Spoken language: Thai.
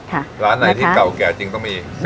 ร้านไหนที่เก่าแก่จริงต้องมี